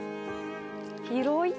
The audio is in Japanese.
広い。